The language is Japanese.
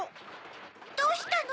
どうしたの？